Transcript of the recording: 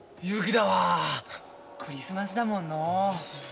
クリスマスだもんのう。